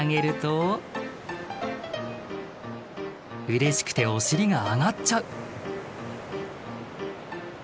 うれしくておしりが上がっちゃう。